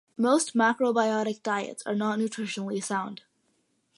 Most macrobiotic diets are not nutritionally sound.